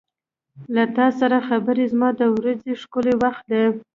• له تا سره خبرې زما د ورځې ښکلی وخت دی.